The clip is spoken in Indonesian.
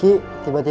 masa ump redundasi